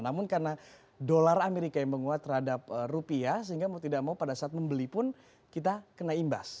namun karena dolar amerika yang menguat terhadap rupiah sehingga mau tidak mau pada saat membeli pun kita kena imbas